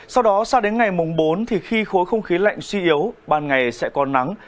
sau đó sau đến ngày mùng bốn khi khối không khí lạnh suy yếu ban ngày sẽ có nắng